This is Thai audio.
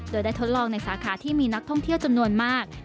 โดยได้ทดลองในสาขาที่มีนักท่องเที่ยวจำนวนมาก